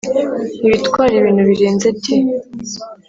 ibitwara ibintu birenze ,T